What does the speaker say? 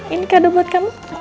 ini kado buat kamu